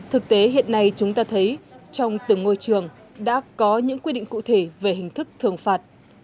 thực tế hiện nay chúng ta thấy trong từng ngôi trường đã có những quy định cụ thể về hình thức thường phạt